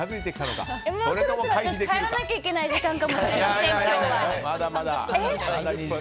もうそろそろ私帰らなきゃいけない時間かもまだまだ！